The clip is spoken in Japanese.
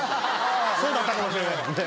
そうだったかもしれないですね。